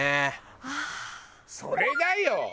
それだよ！